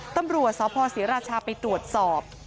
ตำรวจสพศรีราชาไปตรวจสอบ